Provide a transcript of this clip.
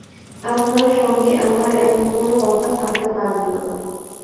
আপনার সঙ্গে আমার এমন কোনো কথা থাকতে পারে না।